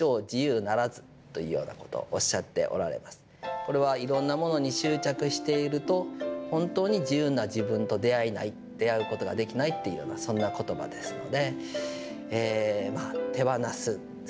これはいろんなものに執着していると、本当に自由な自分と出会えない、出会うことができないっていう、そんなことばですので。